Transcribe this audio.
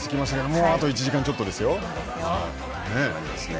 もうあと１時間ちょっとですね。